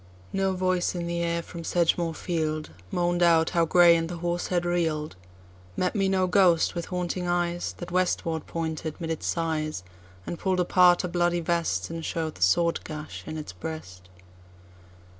No voice in the air, from Sedgemoor field, Moan'd out how Grey and the horse had reel'd; Met me no ghost, with haunting eyes, That westward pointed 'mid its sighs, And pull'd apart a bloody vest, And show'd the sword gash in its breast.